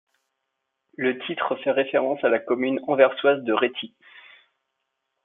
Le titre fait référence à la commune anversoise de Réthy.